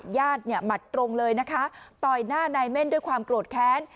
ญาติเนี่ยหมัดตรงเลยนะคะต่อยหน้านายเม่นด้วยความโกรธแค้น